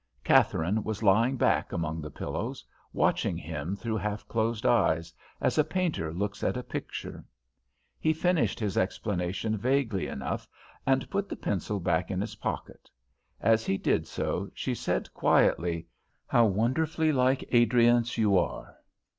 Katharine was lying back among the pillows, watching him through half closed eyes, as a painter looks at a picture. He finished his explanation vaguely enough and put the pencil back in his pocket. As he did so, she said, quietly: "How wonderfully like Adriance you are!"